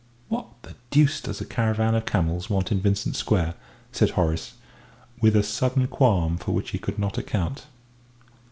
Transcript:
"What the deuce does a caravan of camels want in Vincent Square?" said Horace, with a sudden qualm for which he could not account.